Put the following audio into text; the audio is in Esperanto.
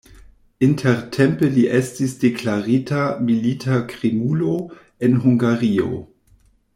Intertempe li estis deklarita milita krimulo en Hungario.